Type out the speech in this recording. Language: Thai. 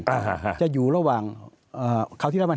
มี่บ้าจะอยู่ระหว่างเขาที่รัฐบาล๕๗